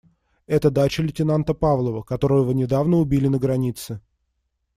Это дача лейтенанта Павлова, которого недавно убили на границе.